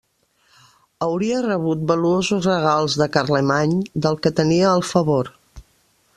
Hauria rebut valuosos regals de Carlemany del que tenia el favor.